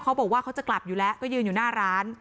เขาบอกว่าเขาจะกลับอยู่แล้วก็ยืนอยู่หน้าร้าน